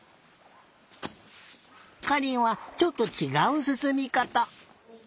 かりんはちょっとちがうすすみかた。